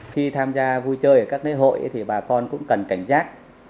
khi tham gia vui chơi ở các lễ hội thì bà con cũng cần cảnh giác